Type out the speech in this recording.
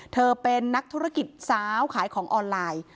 เธอเป็นนักธุรกิจสาวขายของออนไลน์